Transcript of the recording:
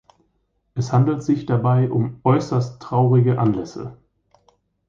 Es handelt sich dabei um äußerst traurige Anlässe.